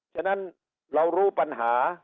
ฉะนั้นเรารู้ปัญหา